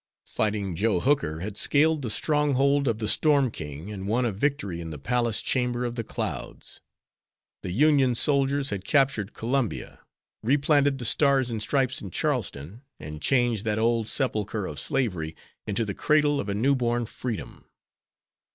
Fighting Joe Hooker had scaled the stronghold of the storm king and won a victory in the palace chamber of the clouds; the Union soldiers had captured Columbia, replanted the Stars and Stripes in Charleston, and changed that old sepulchre of slavery into the cradle of a new born freedom.